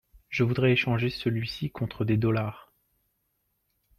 Je voudrais échanger celui-ci contre des dollars.